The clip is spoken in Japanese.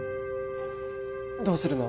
どうするの？